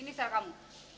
ini sarap kamu